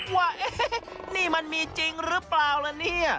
ว่านี่มันมีจริงหรือเปล่าล่ะเนี่ย